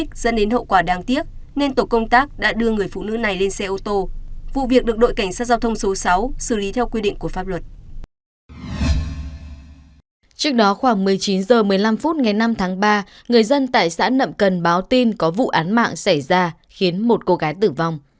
trước đó khoảng một mươi chín h một mươi năm phút ngày năm tháng ba người dân tại xã nậm cần báo tin có vụ án mạng xảy ra khiến một cô gái tử vong